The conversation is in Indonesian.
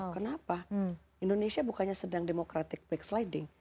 kenapa indonesia bukannya sedang democratic black sliding